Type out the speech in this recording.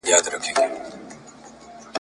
ځینی تور دي ځینی خړ ځینی سپېره دي ..